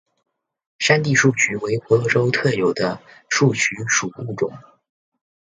山地树鼩为婆罗洲特有的树鼩属物种。